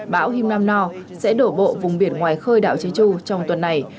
bão hinamino sẽ đổ bộ vùng biển ngoài khơi đảo chusun trong tuần này